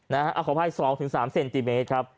เอาขออภัย๒๓เซนติเมตรครับ